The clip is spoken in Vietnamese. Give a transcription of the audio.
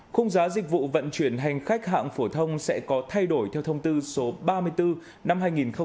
khung giá dịch vụ vận chuyển hành khách hạng phổ thông sẽ có thay đổi theo thông tư số ba mươi bốn năm hai nghìn một mươi chín